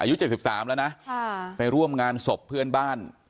อายุเจ็บสิบสามแล้วนะค่ะไปร่วมงานศพเพื่อนบ้าน